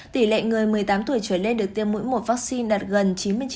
tỷ lệ người một mươi tám tuổi trở lên được tiêm mỗi một vaccine đạt gần chín mươi chín